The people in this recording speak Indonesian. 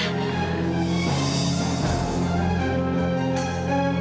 stra server nya sudah selesai